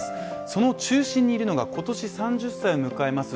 その中心にいるのが、今年３０歳を迎えます